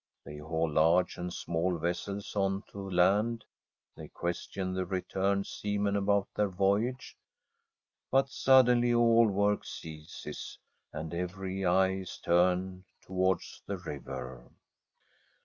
They haul large and small vessels on to land, they question the returned seamen about their voy age. But suddenly all work ceases, and every eye is turned towards the river.